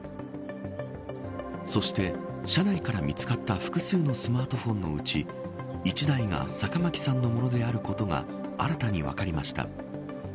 そして、車内から見つかった複数のスマートフォンのうち１台が坂巻さんのものであることが新たに分かりました。